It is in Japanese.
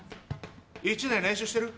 １年練習してる？